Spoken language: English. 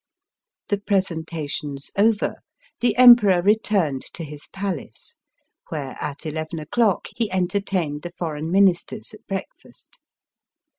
The presentations over, the Emperor re turned to his palace, where at eleven o'clock he entertained the Foreign Ministers at break fast.